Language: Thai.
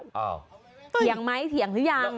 เถียงไหมเถียงหรือยัง